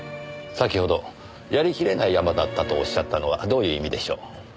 先ほどやりきれないヤマだったとおっしゃったのはどういう意味でしょう？